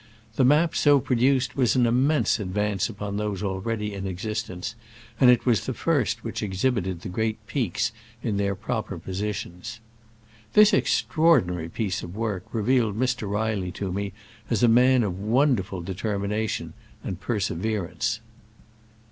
The map so pro duced was an immense advance upon those already in existence, and it was the first which exhibited the great peaks in their proper positions. This extraordinary piece of work re vealed Mr. Reilly to me as a man of wonderful determination and persever ance.